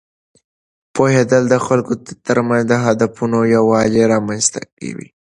پوهېدل د خلکو ترمنځ د هدفونو یووالی رامینځته کوي.